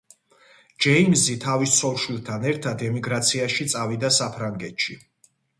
ჯეიმზი თავის ცოლ-შვილთან ერთად ემიგრაციაში წავიდა საფრანგეთში.